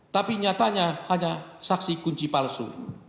tapi nyatanya hanya saksi kunci palsu